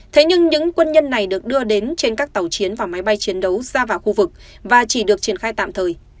thế nhưng những quân nhân này được đưa đến trên các tàu chiến và máy bay chiến đấu ra vào khu vực và chỉ được triển khai tạm thời